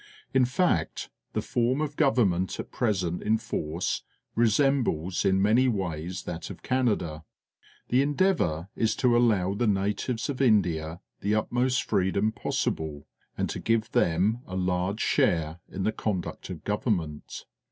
In fact, the form of gov ernment at present in force resembles in many ways that of Canada. The endeavour is to allow the natives of India the utmost freedom possible, and to give them a large share in the conduct of government.